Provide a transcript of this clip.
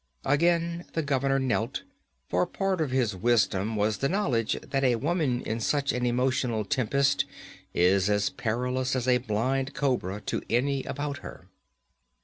Again the governor knelt, for part of his wisdom was the knowledge that a woman in such an emotional tempest is as perilous as a blind cobra to any about her.